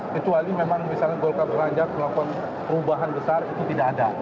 kecuali memang misalnya golkar beranjak melakukan perubahan besar itu tidak ada